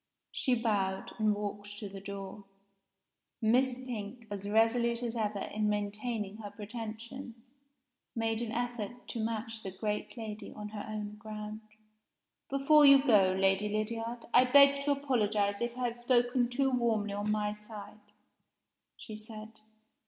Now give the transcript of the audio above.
She bowed, and walked to the door. Miss Pink, as resolute as ever in maintaining her pretensions, made an effort to match the great lady on her own ground. "Before you go, Lady Lydiard, I beg to apologize if I have spoken too warmly on my side," she said.